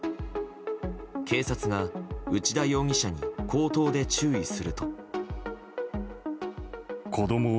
警察が、内田容疑者に口頭で注意すると。